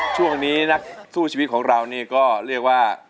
ช่วงนี้นักสู้ชีวิตของเรานี่ก็เรียกว่า